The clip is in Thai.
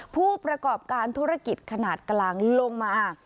ผู้ประกอบการธุรกิจขนาดกลางลงมา